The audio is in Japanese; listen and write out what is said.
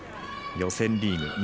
予選リーグ